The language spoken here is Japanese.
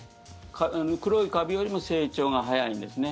黒いカビよりも成長が早いんですね。